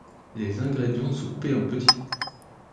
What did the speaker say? Les ingrédients sont coupés en petits dés.